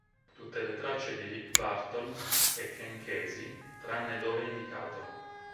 Tutte le tracce di Rick Barton e Ken Casey tranne dove indicato.